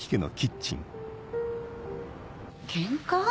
ケンカ？